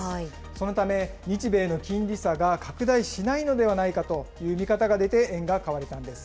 そのため、日米の金利差が拡大しないのではないかという見方が出て、円が買われたんです。